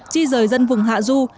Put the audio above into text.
chi rời dân vùng hạ du